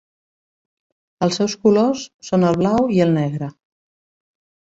Els seus colors són el blau i el negre.